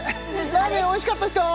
ラーメンおいしかった人？